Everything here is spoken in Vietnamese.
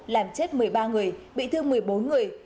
làm chết một mươi ba người bị thương một mươi bốn người